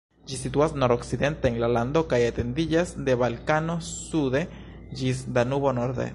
Ĝi situas nord-okcidente en la lando kaj etendiĝas de Balkano sude ĝis Danubo norde.